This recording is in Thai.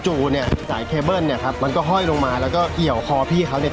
เนี่ยสายเคเบิ้ลเนี่ยครับมันก็ห้อยลงมาแล้วก็เกี่ยวคอพี่เขาเนี่ย